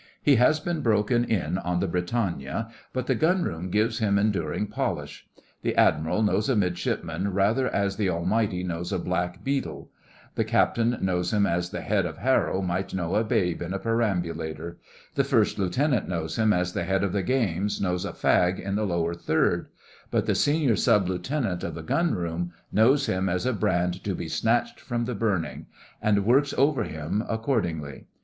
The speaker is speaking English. He has been broken in on the Britannia, but the Gun room gives him enduring polish. The Admiral knows a Midshipman rather as the Almighty knows a blackbeetle; the Captain knows him as the Head of Harrow might know a babe in a perambulator; the First Lieutenant knows him as the Head of the Games knows a fag in the Lower Third; but the senior Sub Lieutenant of the Gun room knows him as a brand to be snatched from the burning; and works over him accordingly.